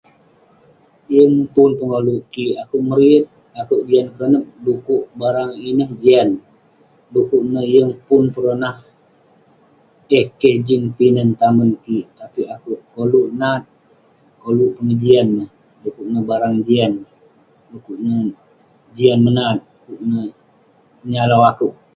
Yeng pun pengoluk kik, akouk meriyet, akouk jian konep dukuk barang ineh jian, dukuk neh yeng pun pernah keh keh jin tinen tamen kik tapik akouk koluk nat, koluk pengejian dukuk neh bareng eh jian, dukuk meh jian menat, dukuk neh menyalau akouk..